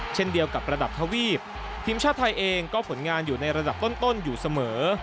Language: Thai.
เช่นเดียวกับระดับทวีปทีมชาติไทยเองก็ผลงานอยู่ในระดับต้นอยู่เสมอ